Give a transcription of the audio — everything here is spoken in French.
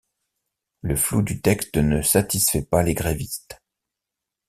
Le flou du texte ne satisfait pas les grévistes.